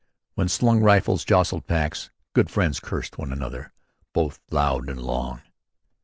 When slung rifles jostled packs, good friends cursed one another both loud and long.